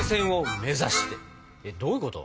えっどういうこと？